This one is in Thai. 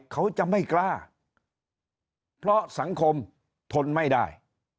เขาจะไม่กล้าเพราะสังคมทนไม่ได้